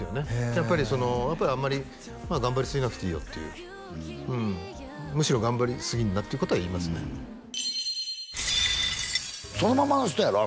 やっぱりそのあんまり頑張りすぎなくていいよっていううんむしろ頑張りすぎんなっていうことは言いますねそのままの人やろ？